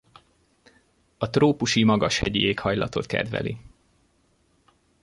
A trópusi magashegyi éghajlatot kedveli.